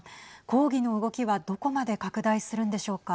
抗議の動きはどこまで拡大するんでしょうか。